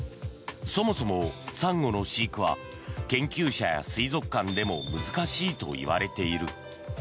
そもそもサンゴの飼育は研究者や水族館でも難しいといわれている。